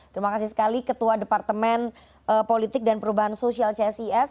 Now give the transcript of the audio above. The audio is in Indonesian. terima kasih sekali ketua departemen politik dan perubahan sosial csis